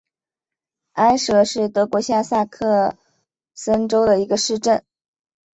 埃舍是德国下萨克森州的一个市镇。